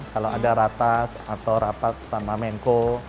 kalau ada ratas atau rapat sama menko